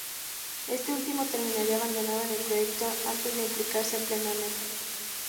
Este último terminaría abandonando el proyecto antes de implicarse plenamente.